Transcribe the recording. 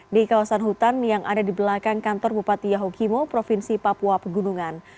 di kawasan hutan yang ada di belakang kantor bupati yahukimo provinsi papua pegunungan